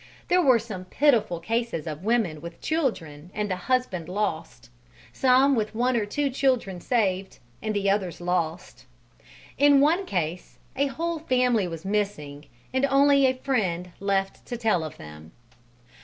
There were some pitiful cases of women with children and the husband lost; some with one or two children saved and the others lost; in one case, a whole family was missing, and only a friend left to tell of them.